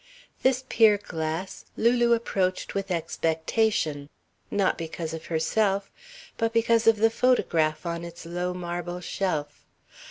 This pier glass Lulu approached with expectation, not because of herself but because of the photograph on its low marble shelf.